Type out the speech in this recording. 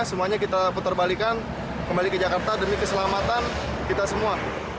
semuanya kita putar balikan kembali ke jakarta demi keselamatan kita semua